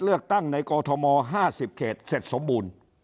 เลือกตั้งในกอทม๕๐เขตเสร็จสมบูรณ์